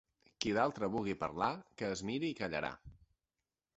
Qui d'altre vulgui parlar, que es miri i callarà.